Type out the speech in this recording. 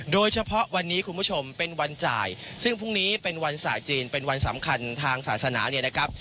โดยเฉพาะวันนี้คุณผู้ชมเป็นวันจ่ายซึ่งพรุ่งนี้เป็นวันศาสตร์จีนเป็นวันสำคัญทางศาสนาเนี่ยนะครับ